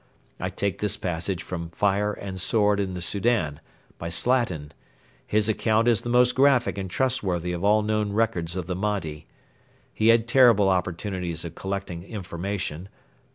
[I take this passage from FIRE AND SWORD IN THE SOUDAN, by Slatin. His account is the most graphic and trustworthy of all known records of the Mahdi. He had terrible opportunities of collecting information.